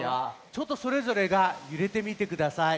ちょっとそれぞれがゆれてみてください。